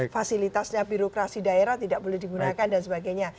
fasilitasnya birokrasi daerah tidak boleh digunakan dan sebagainya